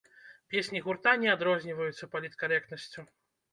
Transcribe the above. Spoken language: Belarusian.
Песні гурта не адрозніваюцца паліткарэктнасцю.